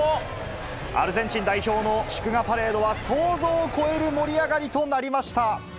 アルゼンチン代表の祝賀パレードは想像を超える盛り上がりとなりました。